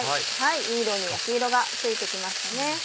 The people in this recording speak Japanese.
いい色に焼き色がついて来ましたね。